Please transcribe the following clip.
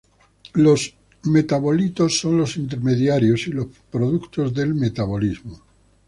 Los metabolitos son los intermediarios y los productos del metabolismo.